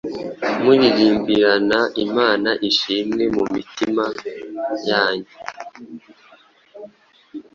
muririmbirana Imana ishimwe mu mitima yanyu.